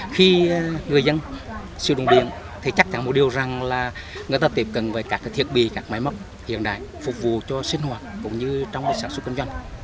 khi người dân sử dụng điện thì chắc chắn một điều rằng là người ta tiếp cận với các thiết bị các máy móc hiện đại phục vụ cho sinh hoạt cũng như trong sản xuất công doanh